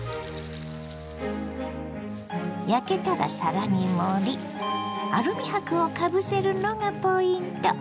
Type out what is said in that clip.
焼けたら皿に盛りアルミ箔をかぶせるのがポイント。